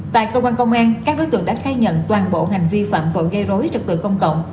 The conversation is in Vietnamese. tại cơ quan công an các đối tượng đã khai nhận toàn bộ hành vi phạm tội gây rối trật tự công cộng